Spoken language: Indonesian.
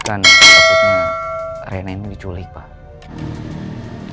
bukan takutnya rena ini diculik pak